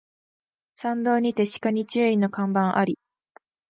山道にて鹿に注意の看板あり